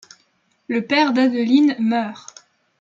Le père d'Adeline meurt.